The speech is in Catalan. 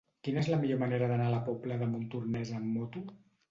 Quina és la millor manera d'anar a la Pobla de Montornès amb moto?